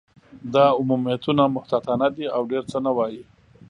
دا عمومیتونه محتاطانه دي، او ډېر څه نه وايي.